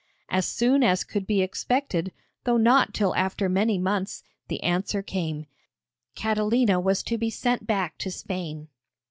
As soon as could be expected, though not till after many months, the answer came: Catalina was to be sent back to Spain.